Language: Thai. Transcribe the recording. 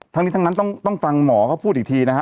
ทั้งนั้นต้องฟังหมอเขาพูดอีกทีนะฮะ